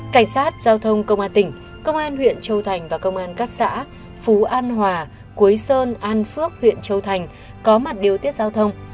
cảnh sát giao thông công an tỉnh công an huyện châu thành và công an các xã phú an hòa quế sơn an phước huyện châu thành có mặt điều tiết giao thông